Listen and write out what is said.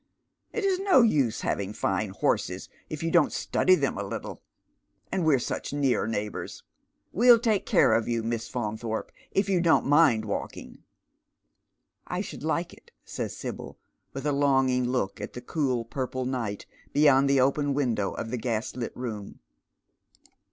It is no use having fine horses if you don't study them a little. And we're such near neiglibours. We'll take care of yon, Miss Faunthorpe, if you don't mind walking." " I should like it," says Sibyl, with a longing look at the cool purple night beyond the open window of the gaslit room.